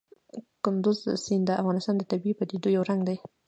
کندز سیند د افغانستان د طبیعي پدیدو یو رنګ دی.